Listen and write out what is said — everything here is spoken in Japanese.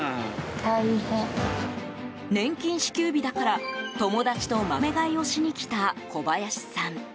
年金支給日だから友達とまとめ買いをしに来た小林さん。